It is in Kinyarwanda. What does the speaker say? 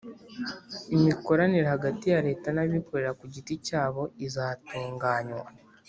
imikoranire hagati ya leta n'abikorera ku giti cyabo izatunganywa